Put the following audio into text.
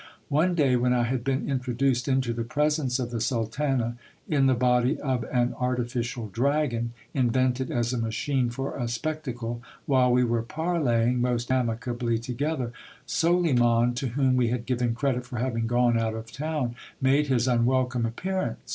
One day when I had been introduced into the presence of the sultana, in the body of an artificial dragon, invented as a machine for a spectacle, while we were parleying most amicably together, Soliman, to whom we had given credit for having gone out of town, made his unwelcome appear ance.